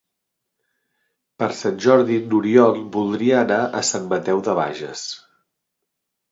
Per Sant Jordi n'Oriol voldria anar a Sant Mateu de Bages.